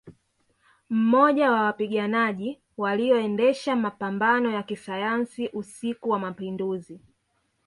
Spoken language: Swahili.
Mmoja wa wapiganaji walioendesha mapambano ya kisayansi usiku wa Mapinduzi